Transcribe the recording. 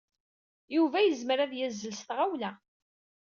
Yuba yezmer ad yazzel s tɣawla.